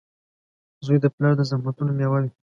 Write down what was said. • زوی د پلار د زحمتونو مېوه وي.